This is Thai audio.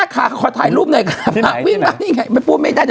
ขอถ่ายรูปหน่อย